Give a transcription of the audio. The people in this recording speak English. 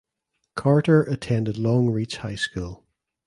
Carter attended Long Reach High School.